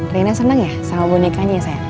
reina seneng ya sama bonekanya ya sayang